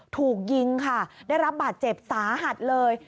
ถูกยิงค่ะได้รับบาดเจ็บสาหัสเลย